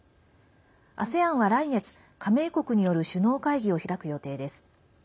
ＡＳＥＡＮは来月、加盟国による首脳会議を開く予定です。